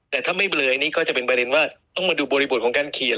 แต่ถ้าไม่เบลอยนี่ก็จะเป็นประเด็นว่าต้องมาดูบริบทของการเขียน